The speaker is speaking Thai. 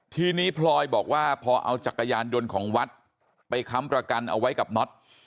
ทีนี้พลอยบอกว่าพอเอาจักรยานยนต์ของวัดไปค้ำประกันเอาไว้กับน็อต